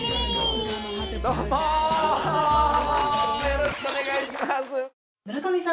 よろしくお願いします。